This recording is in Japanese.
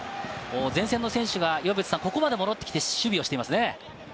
前線の選手がここまで戻ってきて守備をしていますね。